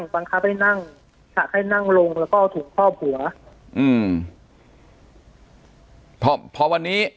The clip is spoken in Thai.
ปากกับภาคภูมิ